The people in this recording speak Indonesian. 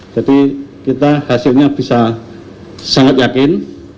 jadi kita hasilnya bisa sangat yakin